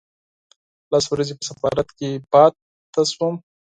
لس ورځې په سفارت کې پاتې شوم.